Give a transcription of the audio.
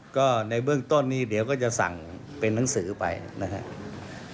ก็ในเบื้องต้นนี้เดี๋ยวก็จะสั่งเป็นนังสือไปนะครับ